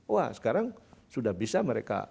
wah sekarang sudah bisa mereka